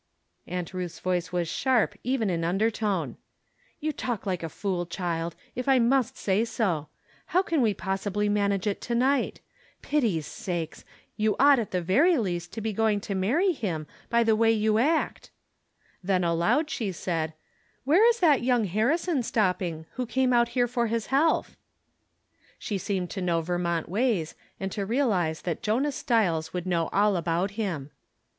Aunt Ruth's voice was sharp, even in under tone. " You talk like a fool, child, if I must say so. How can we possibly manage it to night ? Pity's sakes ! you ought at the very least to be going to marry Mm, by the way you act." Then aloud, she said :" Where is that young Harrison stop ping, who came out here for his health ?" She seemed to know Vermont ways, and to re alize that Jonas Stiles would know all about him. 62 From Different Standpoints.